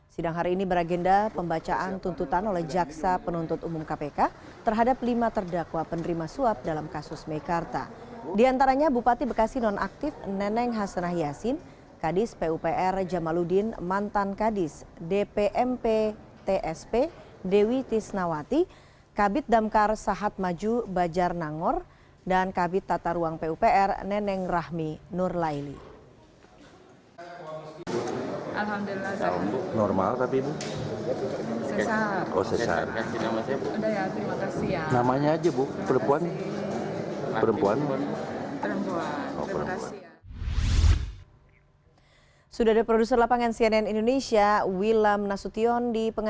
sidang hari ini beragenda pembacaan tuntutan oleh jaksa penuntut umum kpk terhadap lima terdakwa penerima suap dalam kasus mekarta